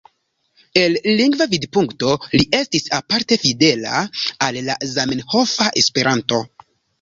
El lingva vidpunkto, li estis aparte fidela al la zamenhofa Esperanto.